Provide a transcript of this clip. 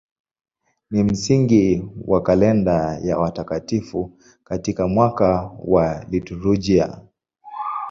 Ni msingi wa kalenda ya watakatifu katika mwaka wa liturujia.